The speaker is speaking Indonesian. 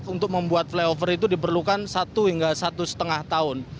untuk membuat flyover itu diperlukan satu hingga satu lima tahun